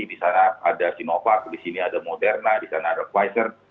di sana ada sinovac di sini ada moderna di sana ada pfizer